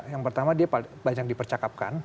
yang pertama dia banyak dipercakapkan